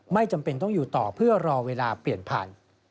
ไม่จำเป็นต้องอยู่ต่อเพื่อรอเวลาเปลี่ยนผ่าน